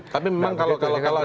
tapi memang kalau anda melihat